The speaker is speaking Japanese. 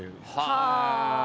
はあ。